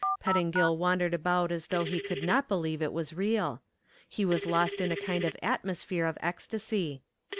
Pettingill wandered about as though he could not believe it was real. He was lost in a kind of atmosphere of ecstasy.